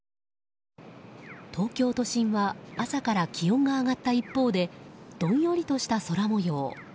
東京都心は朝から気温が上がった一方でどんよりとした空模様。